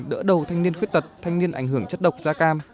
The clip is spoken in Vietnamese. đỡ đầu thanh niên khuyết tật thanh niên ảnh hưởng chất độc da cam